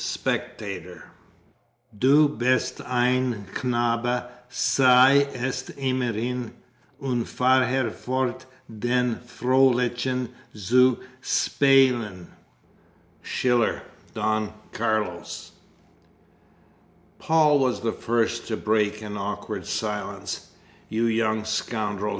Spectator. "Du bist ein Knabe sei es immerhin Und fahre fort, den Fröhlichen zu spielen." SCHILLER, Don Carlos. Paul was the first to break a very awkward silence. "You young scoundrel!"